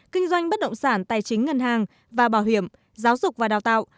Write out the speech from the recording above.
kinh doanh bất động sản tài chính ngân hàng và bảo hiểm giáo dục và đào tạo